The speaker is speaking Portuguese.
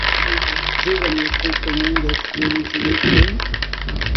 Diga-me com quem andas e lhe direi quem